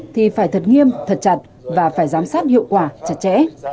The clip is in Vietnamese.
thì phải thật nghiêm thật chặt và phải giám sát hiệu quả chặt chẽ